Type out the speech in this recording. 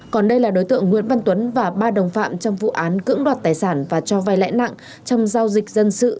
còn đây là đối tượng nguyễn văn tuấn và ba đồng phạm trong vụ án cưỡng đoạt tài sản và cho vai lãi nặng trong giao dịch dân sự